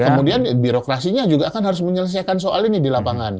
kemudian birokrasinya juga kan harus menyelesaikan soal ini di lapangan